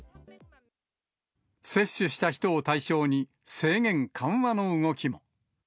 接種した人を対象に、制限緩和の動きも。